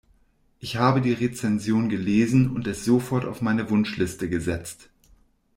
Ich hab die Rezension gelesen und es sofort auf meine Wunschliste gesetzt.